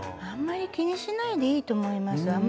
あんまり気にしないでいいと思います。